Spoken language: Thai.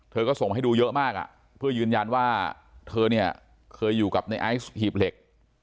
ก็ส่งมาให้ดูเยอะมากเพื่อยืนยันว่าเธอเนี่ยเคยอยู่กับในไอซ์หีบเหล็ก